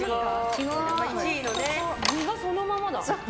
実がそのままだ。